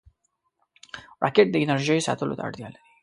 راکټ د انرژۍ ساتلو ته اړتیا لري